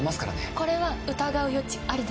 これは疑う余地ありです。